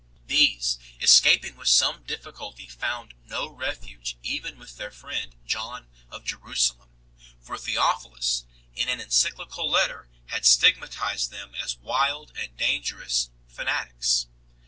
These, escaping with some difficulty, found no refuge even with their friend John of Jerusalem ; for Theophilus in an encyclical letter had stigmatized them as wild and dangerous fanatics.